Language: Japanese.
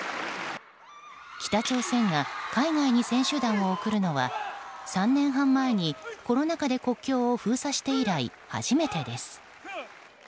北朝鮮が海外に選手団を送るのは３年半前にコロナ禍で国境を封鎖して以来初めてです。